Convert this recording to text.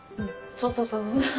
そうそうそうそう。